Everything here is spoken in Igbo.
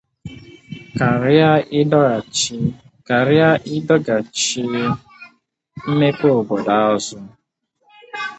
karịa ịdọgachi mmepe obodo azụ.